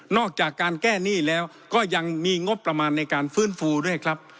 อกจากการแก้หนี้แล้วก็ยังมีงบประมาณในการฟื้นฟูด้วยครับ